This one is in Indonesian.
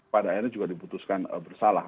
pada akhirnya juga diputuskan bersalah